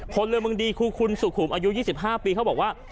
คนเรียนบังดีคุณสุขุมอายุ๒๕ปีเขาบอกว่า